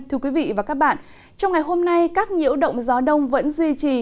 thưa quý vị và các bạn trong ngày hôm nay các nhiễu động gió đông vẫn duy trì